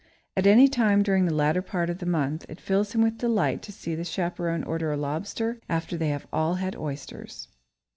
At any time during the latter part of the month it fills him with delight to see the chaperone order a lobster after they have all had oysters.